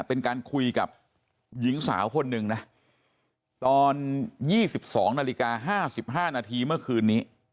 เป็นการคุยกับหญิงสาวคนหนึ่งนะตอน๒๒นาฬิกา๕๕นาทีเมื่อคืนนี้